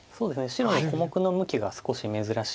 白の小目の向きが少し珍しくて。